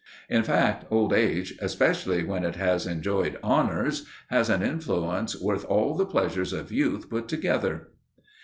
In fact, old age, especially when it has enjoyed honours, has an influence worth all the pleasures of youth put together.